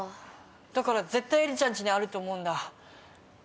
だから絶対エリちゃん家にあると思うんだ。